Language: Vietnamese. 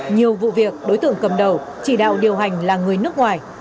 nhiều vụ việc đối tượng cầm đầu chỉ đạo điều hành là người nước ngoài